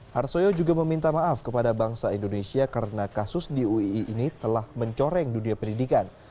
harsoyo juga meminta maaf kepada bangsa indonesia karena kasus di uii ini telah mencoreng dunia pendidikan